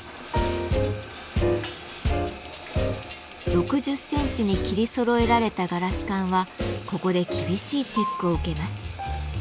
６０センチに切りそろえられたガラス管はここで厳しいチェックを受けます。